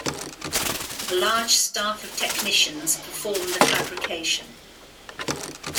A large staff of technicians perform the fabrication.